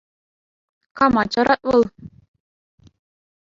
Кама чарать вӑл?